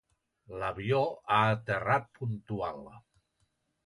L'avió ha aterrat puntual.